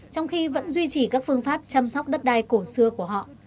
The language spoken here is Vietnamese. trong khi vẫn duy trì các phương pháp chăm sóc đất đai cổ xưa của họ